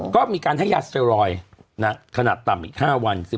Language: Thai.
ก็มีการให้ยาสเตอรอยขนาดต่ำอีก๕วัน